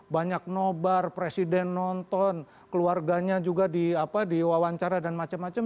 banyak nobar presiden nonton keluarganya juga diwawancara dan macam macam